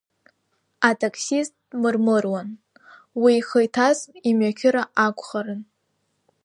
Атаксист дмырмыруан, уи ихы иҭаз имҩақьыра акәхарын.